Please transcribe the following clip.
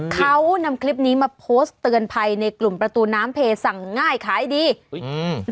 เขานำคลิปนี้มาโพสต์เตือนภัยในกลุ่มประตูน้ำเพสั่งง่ายขายดีอุ้ยอืม